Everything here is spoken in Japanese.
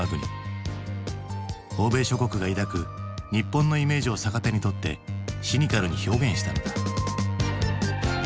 欧米諸国が抱く日本のイメージを逆手にとってシニカルに表現したのだ。